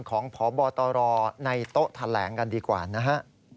ของพบตรในโต๊ะแถลงกันดีกว่านะฮะ